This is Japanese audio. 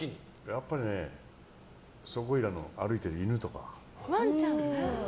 やっぱりそこいらの歩いてる犬とか。